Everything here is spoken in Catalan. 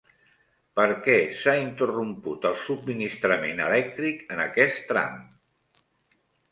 Per què s'ha interromput el subministrament elèctric en aquest tram?